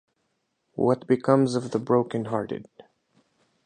What Becomes of the Broken Hearted?